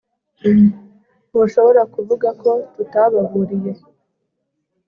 ntushobora kuvuga ko tutababuriye